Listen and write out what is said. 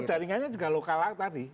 jaringannya juga lokal tadi